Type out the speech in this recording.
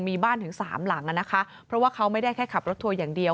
มีบ้านถึงสามหลังอ่ะนะคะเพราะว่าเขาไม่ได้แค่ขับรถทัวร์อย่างเดียว